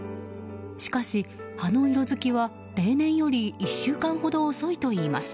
しかし葉の色づきは例年より１週間ほど遅いといいます。